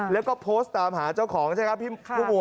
แล้วก็โพสต์ตามหาเจ้าของใช่ไหมครับพี่บัว